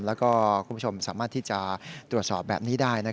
แล้วก็คุณผู้ชมสามารถที่จะตรวจสอบแบบนี้ได้